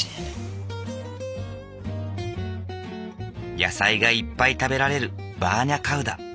野菜がいっぱい食べられるバーニャカウダ。